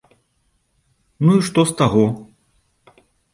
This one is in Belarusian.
Ну і што з таго?